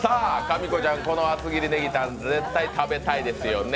みこちゃん、この厚切りネギタン食べたいですよね？